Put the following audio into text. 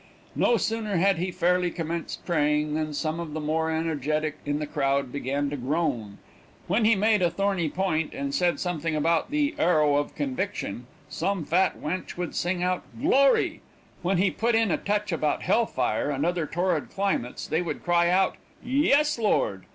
No sooner had he fairly commenced praying than some of the more energetic in the crowd began to groan; when he made a thorny point, and said something about the "arrow of conviction," some fat wench would sing out "Glory;" when he put in a touch about hell fire and other torrid climates, they would cry out "Yes, Lord."